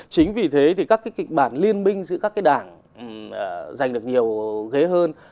chính vì thế thì các cái kịch bản liên minh giữa các cái đảng giành được nhiều ghế hơn